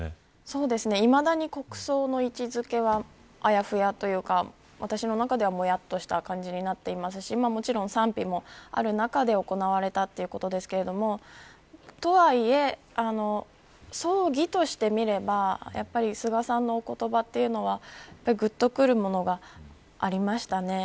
いまだに国葬の位置付けはあやふやというか私の中ではもやっとした感じになっていますしもちろん、賛否もある中で行われたということですがとはいえ、葬儀としてみればやっぱり菅さんのお言葉というのはぐっとくるものがありましたね。